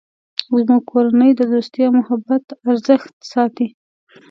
زموږ کورنۍ د دوستۍ او محبت ارزښت ساتی